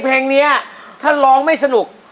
เพลงนี้ถ้าร้องไม่สนุก